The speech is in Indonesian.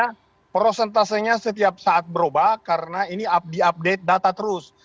karena prosentasenya setiap saat berubah karena ini diupdate data terus